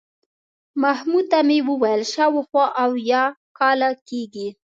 محمود ته مې وویل شاوخوا اویا کاله کېږي.